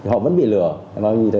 họ vẫn bị lửa và như thế